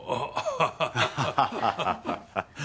ハハハハッ。